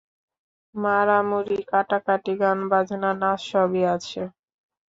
মারামুরি-কাটাকাটি, গান-বাজনা, নাচ-সবই আছে।